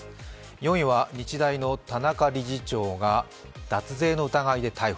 ４位は日大の田中理事長が脱税の疑いで逮捕。